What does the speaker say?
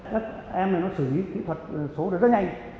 các em này nó xử lý kỹ thuật số rất nhanh